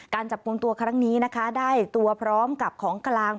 การจับกลุ่มตัวครั้งนี้นะคะได้ตัวพร้อมกับของกลาง